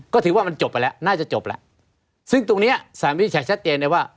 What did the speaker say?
ก็ถือว่ามันจบไปแล้วน่าจะจบแล้วซึ่งตรงเนี้ยสารวินิจฉัยชัดเจนเลยว่า